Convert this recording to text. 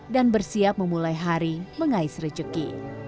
dan bersiap memulai hari mengais receki